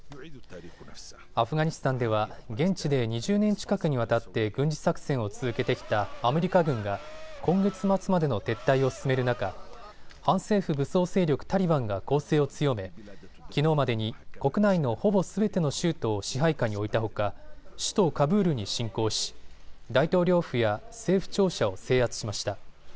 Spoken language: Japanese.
アフガニスタンでは現地で２０年近くにわたって軍事作戦を続けてきたアメリカ軍が今月末までの撤退を進める中、反政府武装勢力タリバンが攻勢を強め、きのうまでに国内のほぼすべての州都を支配下に置いたほか首都カブールに進攻し、大統領府や政府庁舎を制圧しました。